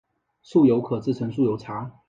酥油可制成酥油茶。